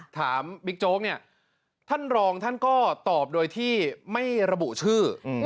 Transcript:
บิ๊กโจ๊กเนี่ยท่านรองท่านก็ตอบโดยที่ไม่ระบุชื่อ